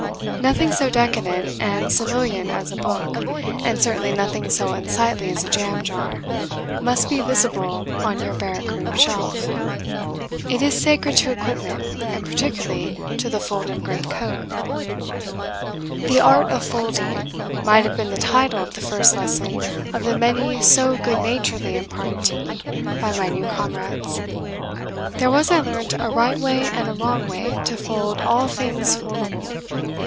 Nothing so decadent and civilian as a book and certainly nothing so unsightly as a jam jar must be visible on your barrack room shelf. It is sacred to equipment, and particularly to the folded great coat. "The Art of Folding" might have been the title of the first lesson of the many so good naturedly imparted to me by my new comrades. There was, I learnt, a right way and a wrong way to fold all things foldable.